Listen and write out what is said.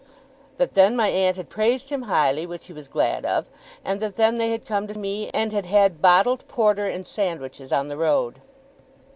That then my aunt had praised him highly, which he was glad of. And that then they had come to me, and had had bottled porter and sandwiches on the road.